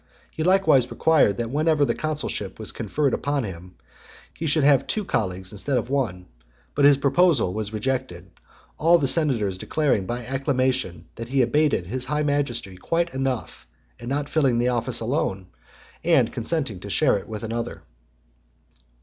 He likewise required that whenever the consulship was conferred on him, he should have two colleagues instead of one; but his proposal (101) was rejected, all the senators declaring by acclamation that he abated his high majesty quite enough in not filling the office alone, and consenting to share it with another.